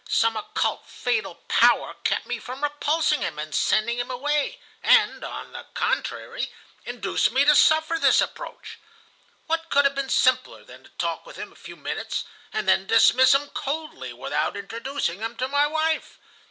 some occult fatal power kept me from repulsing him and sending him away, and, on the contrary, induced me to suffer this approach. What could have been simpler than to talk with him a few minutes, and then dismiss him coldly without introducing him to my wife?